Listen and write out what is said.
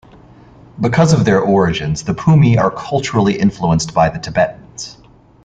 Because of their origins, the Pumi are culturally influenced by the Tibetans.